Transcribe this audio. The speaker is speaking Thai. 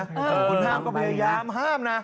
คนห้ามก็พยายามห้ามนะ